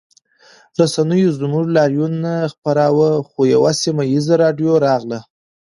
رسنیو زموږ لاریون نه خپراوه خو یوه سیمه ییزه راډیو راغله